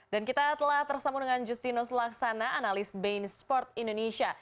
dan kita telah tersambung dengan justinus laksana analis bainsport indonesia